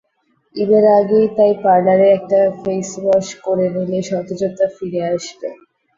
ঈদের আগেই তাই পারলারে একটা ফেসওয়াশ করে নিলে সতেজতা ফিরে আসবে।